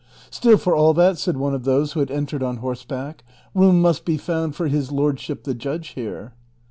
'' Still, for all that," said one of those who had entered on horseback, '' room must be found for his lordship the judge here."